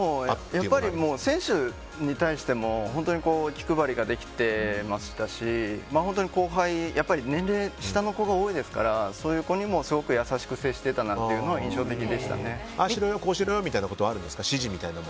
やっぱり選手に対しても本当に気配りができていましたし本当に後輩年齢、下の子が多いですからそういう子にも優しく接してたみたいなのはああしろよ、こうしろよみたいなことはあるんですか？